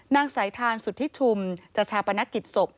นางสายทานสุธิชุมจะชาปนกิจศพ